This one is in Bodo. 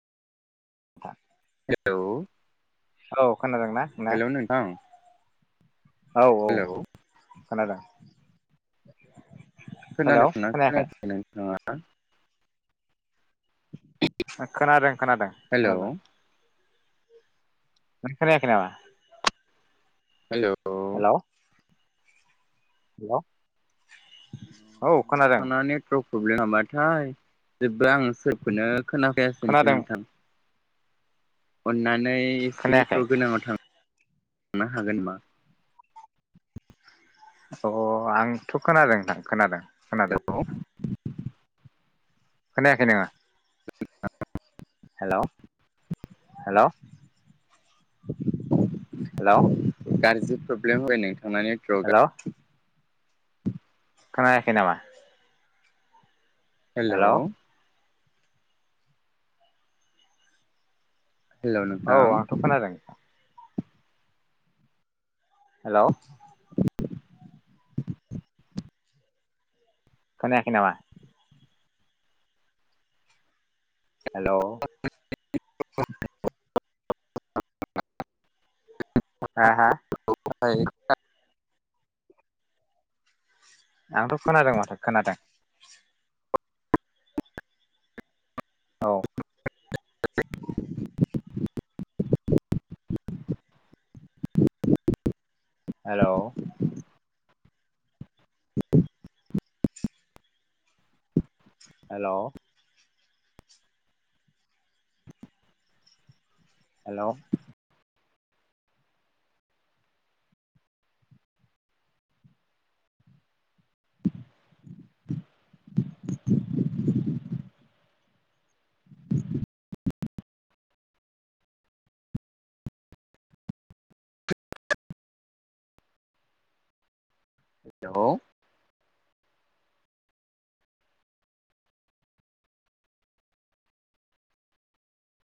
हेलौ औ खोनादोंना [unintelligible] हेलौ नोंथां औ औ हेलौ खोनादों खोनादोंमोन आ खोनायाखै नोंथाङा हा खोनादों खोनादों हेलौ खोनादों [unintelligible] हेलौ औ हेलौ हेलौ औ खोनादों नोंथांना नेटवर्क प्रब्लेम हाबाथाय जेब्ला आं सोरखौनो खोनाखायासै माथो खोनादों नोंथां खोनायाखै उनना [unintelligible] हागोन मा अ आंथ' खोनादों नोंथां खोनादों खोनादों हेलौ [unintelligible] खोनायाखै नामा हेलौ हेलौ हेलौ जि प्रब्लेम [unintelligible] आंना नेतवर्का हेलौ खोनायाखै नामा हेलौ हेलौ नोंथां औ आंथ' खोनादों हेल' खोनायाखै नामा? हेल' हा हा [inaudible] आंथ खोनादों माथो खोनादों। औ [inaudible] हेल' हेल' हेल' हेलौ